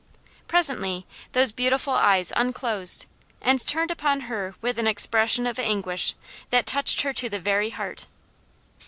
Presently those beautiful eyes unclosed, and turned upon her with an expression of anguish that touched her to the very heart.